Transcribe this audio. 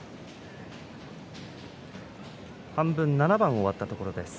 半分、７番が終わったところです。